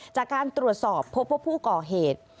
จากการตรวจสอบพบว่าผู้ก่อเหตุ